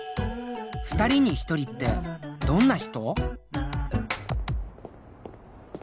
２人に１人ってどんな人？